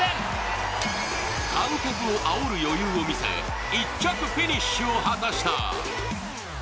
観客をあおる余裕を見せ、１着フィニッシュを果たした。